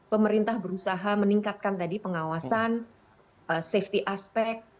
pemerintah berusaha meningkatkan tadi pengawasan safety aspek